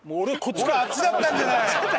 ほらあっちだったんじゃない！